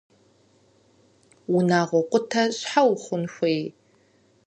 Унагъуэ къутэ щхьэ ухъун хуей?